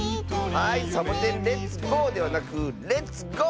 はい「サボテンレッツゴー」ではなく「レッツゴー！